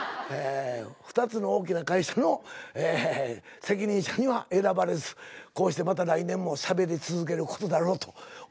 ２つの大きな会社の責任者には選ばれずこうしてまた来年もしゃべり続けることだろうと思われます。